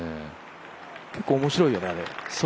結構、面白いよね、あれ。